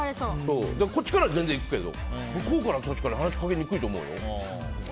こっちからは全然行くけど向こうからは話しかけにくいと思うよ。